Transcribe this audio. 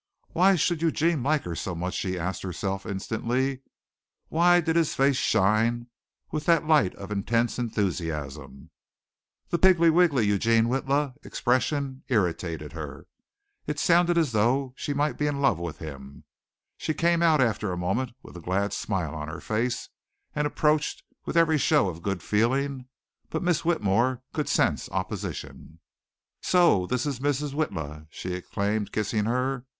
"Why should Eugene like her so much?" she asked herself instantly. "Why did his face shine with that light of intense enthusiasm?" The "piggy wiggy Eugene Witla" expression irritated her. It sounded as though she might be in love with him. She came out after a moment with a glad smile on her face and approached with every show of good feeling, but Miss Whitmore could sense opposition. "So this is Mrs. Witla," she exclaimed, kissing her.